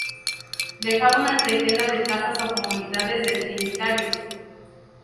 Dejaba una treintena de casas o comunidades de trinitarios.